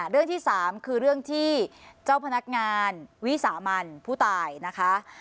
เรื่องที่๓คือเรื่องที่เจ้าพนักงานวิสามันผู้ตายนะคะ